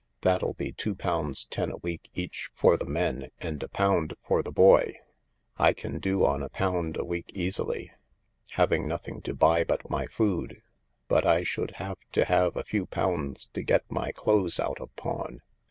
That'll be two pounds ten a week each for the men and a pound for the boy. I can do on a pound a week easily— having nothing to buy but my food. But I should have to have a few pounds to get my clothes out of pawn.